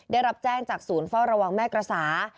ได้รับแจ้งจากศูนย์เฝ้าระวังแม่กระสา